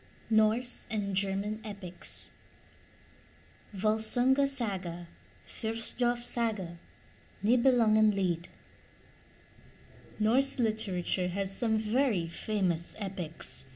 *NORSE AND GERMAN EPICS VOLSUNGA SAGA, FRITHJOF SAGA, NIBELUNGENLIED Norse literature has some very famous epics.